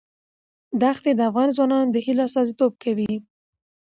دښتې د افغان ځوانانو د هیلو استازیتوب کوي.